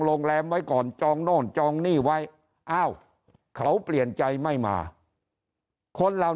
โรงแรมไว้ก่อนจองโน่นจองหนี้ไว้อ้าวเขาเปลี่ยนใจไม่มาคนเหล่า